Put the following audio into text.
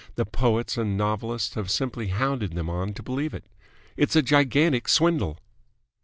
The poets and novelists have simply hounded them on to believe it. It's a gigantic swindle."